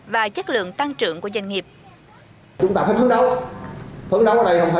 và chất lượng tăng trưởng của doanh nghiệp chúng ta phải phấn đấu phấn đấu ở đây không